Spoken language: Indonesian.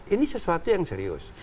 ini sesuatu yang serius